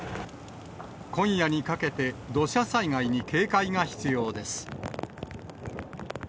今夜にかけて土砂災害に警戒が必要です。